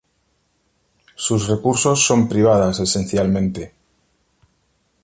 Sus recursos son privadas esencialmente.